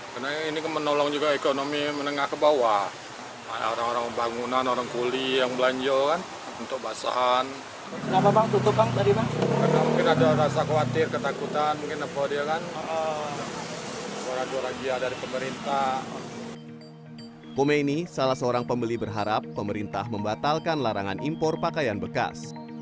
pembeli pakaian ini salah seorang pembeli berharap pemerintah membatalkan larangan impor pakaian bekas